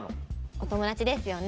お友達ですよね。